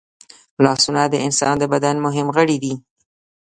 لاسونه د انسان د بدن مهم غړي دي